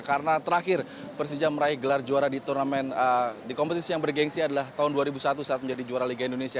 karena terakhir persidja meraih gelar juara di kompetisi yang bergensi adalah tahun dua ribu satu saat menjadi juara liga indonesia